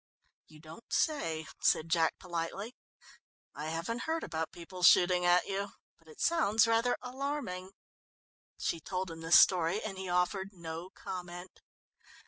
"You don't say," said Jack politely. "I haven't heard about people shooting at you but it sounds rather alarming." She told him the story, and he offered no comment.